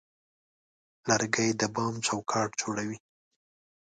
لرګی د بام چوکاټ جوړوي.